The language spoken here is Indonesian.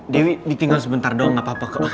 dewi ditinggal sebentar doang gapapa kok